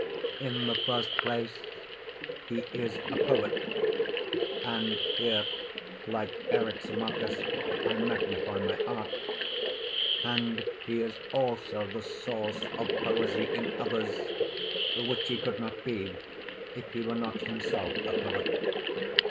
In the first place he is a poet (and here, like Eryximachus, I magnify my art), and he is also the source of poesy in others, which he could not be if he were not himself a poet.